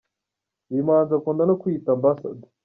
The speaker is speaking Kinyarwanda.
Uyu muhanzi akunda no kwiyita Ambassador.